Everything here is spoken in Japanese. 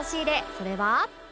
それは